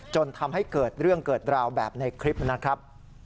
จนทำให้เกิดเรื่องเกิดราวแบบในคลิปนะครับ